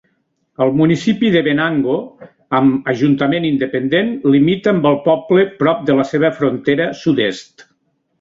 El municipi de Venango, amb ajuntament independent, limita amb el poble prop de la seva frontera sud-est.